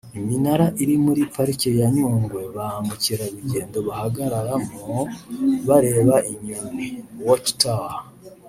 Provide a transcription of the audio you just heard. Iminara iri muri Pariki ya Nyungwe ba mukerarugendo bahagararamo bareba inyoni (watch tower)